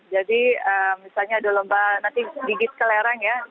jadi misalnya ada lomba nanti digigit kelereng ya